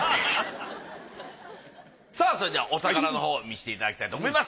さあそれではお宝のほう見せていただきたいと思います。